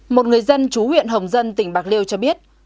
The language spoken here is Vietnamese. một người dân chú huyện hồng dân tỉnh bạc liêu cho biết